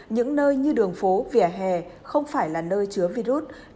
những nơi như đường phố vỉa hè không phải là nơi chứa virus